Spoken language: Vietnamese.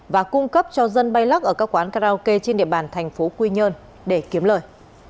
và cung cấp cho dân bay lắc ở các quán karaoke trên địa bàn thành phố quy nhơn để kiếm lời